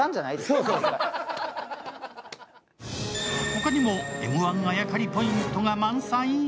他にもＭ−１あやかりポイントが満載。